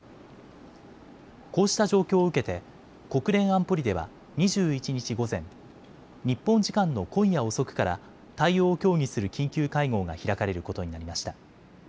こうした状況を受けて国連安保理では２１日午前、日本時間の今夜遅くから対応を協議する緊急会合が開かれることになりました。